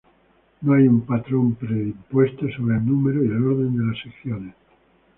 No hay un patrón pre-impuesto sobre el número y el orden de las secciones.